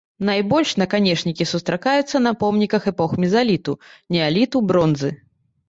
Найбольш наканечнікі сустракаюцца на помніках эпох мезаліту, неаліту, бронзы.